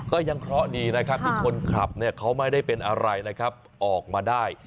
ก็ยังเคราะห์ดีนะครับที่คนขับเนี่ยเขาไม่ได้เป็นอะไรนะครับออกมาได้